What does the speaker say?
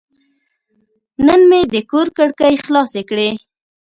نن مې د کور کړکۍ خلاصې کړې.